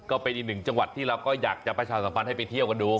ก็เป็นอีกหนึ่งจังหวัดที่เราก็อยากจะประชาสัมพันธ์ให้ไปเที่ยวกันดู